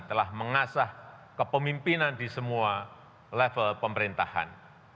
telah mengasah kepemimpinan di semua level pemerintahan